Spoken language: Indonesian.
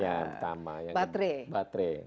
ya pertama baterai baterai